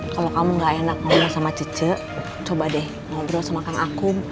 kalau kamu gak enak ngobrol sama cice coba deh ngobrol sama kang aku